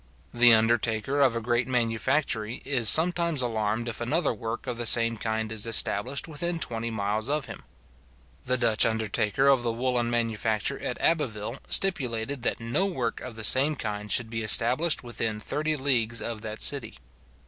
The undertaker of a great manufactory is sometimes alarmed if another work of the same kind is established within twenty miles of him; the Dutch undertaker of the woollen manufacture at Abbeville, stipulated that no work of the same kind should be established within thirty leagues of that city.